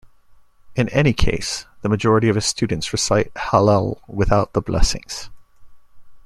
In any case, the majority of his students recite Hallel without the blessings.